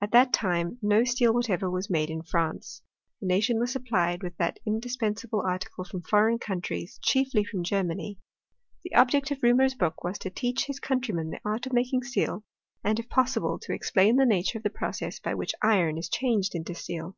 At that time no steel whatever was made ia France ; the nation was supplied with that indispensa* ble article from foreign countries, chiefly from Ge^ many. The object of Reaumur's book was to teadi his countrymen the art of making steel, and^ if possiMey TH20ET IK CH£MISTET. 379 to explain the nature of the process by which iron is changed into steel.